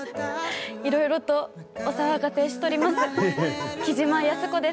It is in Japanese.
いろいろとお騒がせしております